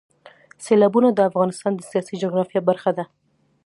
سیلابونه د افغانستان د سیاسي جغرافیه برخه ده.